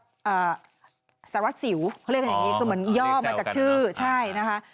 เขาเรียกกันอย่างนี้ก็เหมือนย่อมาจากชื่อใช่นะคะ